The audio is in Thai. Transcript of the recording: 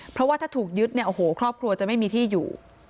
เพราะว่าถ้าถูกยึดเนี่ยโอ้โหครอบครัวจะไม่มีที่อยู่